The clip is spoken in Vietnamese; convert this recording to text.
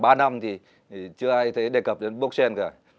ví dụ trước đây khoảng ba năm thì chưa ai thấy đề cập đến blockchain cả